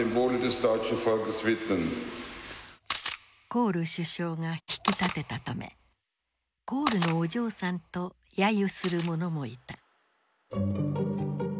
コール首相が引き立てたため「コールのお嬢さん」と揶揄する者もいた。